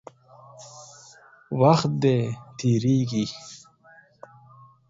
وخت دی، تېرېږي.